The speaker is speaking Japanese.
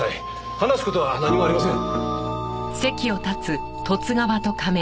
話す事は何もありません。